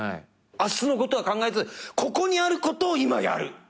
明日のことは考えずここにあることを今やる。